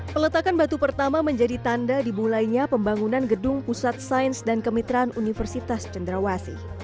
peletakan batu pertama menjadi tanda dibulainya pembangunan gedung pusat sains dan kemitraan universitas cenderawasi